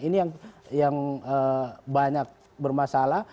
ini yang banyak bermasalah